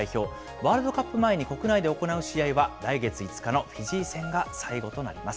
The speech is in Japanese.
ワールドカップ前に国内で行う試合は来月５日のフィジー戦が最後となります。